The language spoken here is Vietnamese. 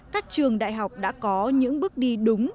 các trường đại học đã có những bước đi đúng